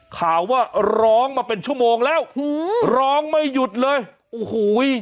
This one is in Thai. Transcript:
ข่าวว่าร้องมาเป็นชั่วโมงแล้วร้องไม่หยุดเลยโอ้โห